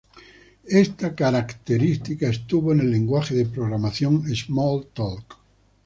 Esta característica estuvo en el lenguaje de programación "SmallTalk".